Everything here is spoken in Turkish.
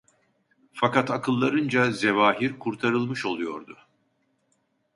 Fakat akıllarınca zevahir kurtarılmış oluyordu.